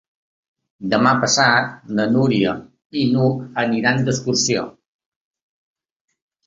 Demà passat na Núria i n'Hug aniran d'excursió.